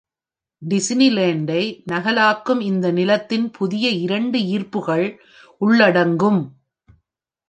டிஸ்னிலேண்டை நகலாக்கும் இந்த நிலத்தில் புதிய இரண்டு ஈர்ப்புகள் உள்ளடங்கும்.